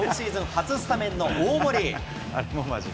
初スタメンの大盛。